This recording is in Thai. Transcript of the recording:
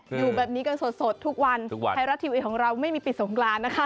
อยู่แบบนี้กันสดทุกวันทุกวันไทยรัฐทีวีของเราไม่มีปิดสงกรานนะคะ